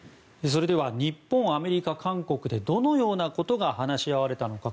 それでは日本、アメリカ韓国でどのようなことが話し合われたのか。